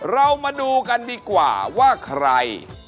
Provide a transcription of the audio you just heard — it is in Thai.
เรามาดูกันดีกว่าว่าใคร